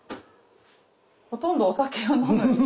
ほとんどお酒を飲むのに。